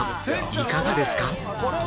いかがですか？